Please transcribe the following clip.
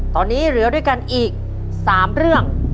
ตอนนี้เหลือด้วยกันอีก๓เรื่อง